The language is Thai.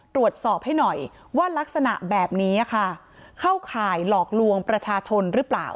ตรวจสอบให้หน่อยว่ารักษณะแบบนี้ค่ะเข้าข่ายหลอกลวงประชาชนหรือเปล่า